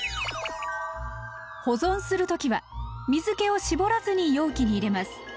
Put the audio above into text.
保存する時は水けを絞らずに容器に入れます。